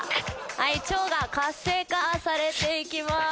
腸が活性化されて行きます。